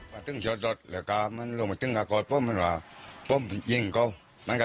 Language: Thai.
ว่าแม่นทำฟิตเลยเขารับฟิตมา